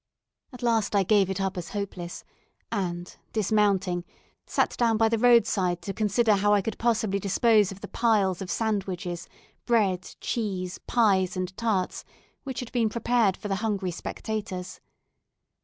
At last I gave it up as hopeless, and, dismounting, sat down by the roadside to consider how I could possibly dispose of the piles of sandwiches, bread, cheese, pies, and tarts, which had been prepared for the hungry spectators.